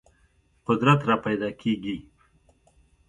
قدرت راپیدا کېږي.